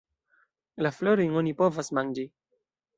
La florojn oni povas manĝi.